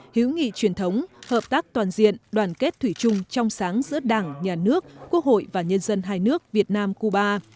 hữu nghị truyền thống hợp tác toàn diện đoàn kết thủy chung trong sáng giữa đảng nhà nước quốc hội và nhân dân hai nước việt nam cuba